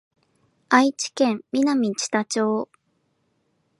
愛知県南知多町